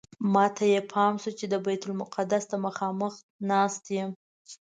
ماته یې پام شو چې بیت المقدس ته مخامخ ناست یم.